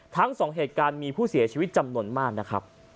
ทั้งสองเหตุการณ์มีผู้เสียชีวิตจำนวนมากนะครับ